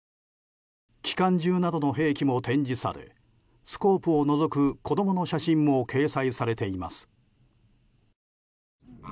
機関銃などの兵器も展示されスコープをのぞく子供の写真も掲載されています。